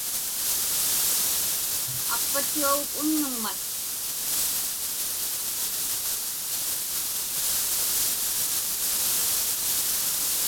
Aqpattuaguk unnugman.